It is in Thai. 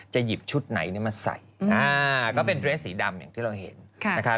หยิบชุดไหนมาใส่ก็เป็นเรสสีดำอย่างที่เราเห็นนะคะ